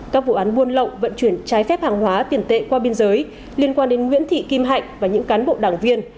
các vụ án buôn lậu vận chuyển trái phép hàng hóa tiền tệ qua biên giới liên quan đến nguyễn thị kim hạnh và những cán bộ đảng viên